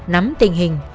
nắm tình hình